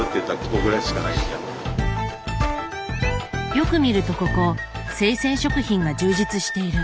よく見るとここ生鮮食品が充実している。